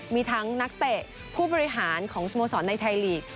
มีทั้งนักเตะผู้บริหารของสโมสรในไทยลีก